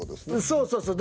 そうそうそう。